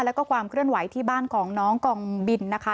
แล้วก็ความเคลื่อนไหวที่บ้านของน้องกองบินนะคะ